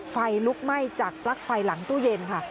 ไฟลุกไหม้จากปลั๊กไฟหลังตู้เย็นค่ะ